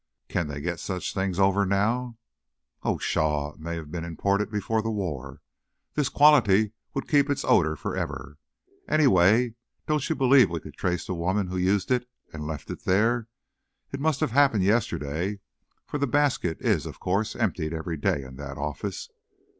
"Can they get such things over now?" "Oh, pshaw, it may have been imported before the war. This quality would keep its odor forever! Anyway, don't you believe we could trace the woman who used it and left it there? It must have happened yesterday, for the basket is, of course, emptied every day in that office."